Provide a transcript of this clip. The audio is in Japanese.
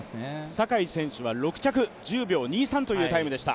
坂井選手は６着、１０秒２３というタイムでした。